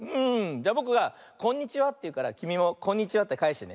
じゃあぼくが「こんにちは」っていうからきみも「こんにちは」ってかえしてね。